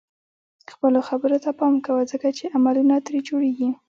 خپلو خبرو ته پام کوه ځکه چې عملونه ترې جوړيږي.